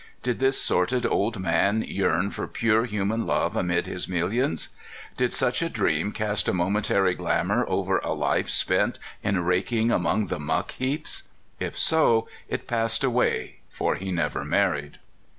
Did this sordid old man yearn for pure human love amid his millions? Did such a dream cast a momentary glamour over a life spent in rak ing among the muck heaps? If so, it passed away, for he never married.